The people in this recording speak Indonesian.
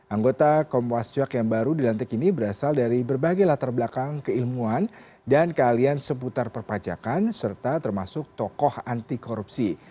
anggota komwasjak yang baru dilantik ini berasal dari berbagai latar belakang keilmuan dan kealian seputar perpajakan serta termasuk tokoh anti korupsi